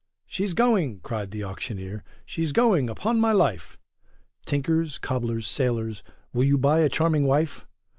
She's going, cried the auctioneer, she's going, upon my life; Tinkers, coblers, sailors, will you buy a charming wife?